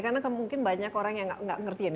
karena mungkin banyak orang yang gak ngerti ya